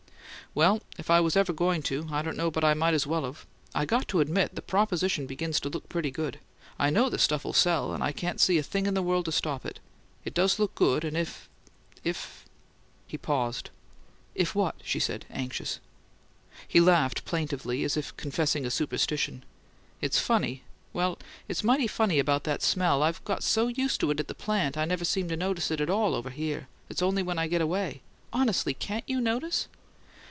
"Well if I was ever going to, I don't know but I might as well of. I got to admit the proposition begins to look pretty good: I know the stuff'll sell, and I can't see a thing in the world to stop it. It does look good, and if if " He paused. "If what?" she said, suddenly anxious. He laughed plaintively, as if confessing a superstition. "It's funny well, it's mighty funny about that smell. I've got so used to it at the plant I never seem to notice it at all over there. It's only when I get away. Honestly, can't you notice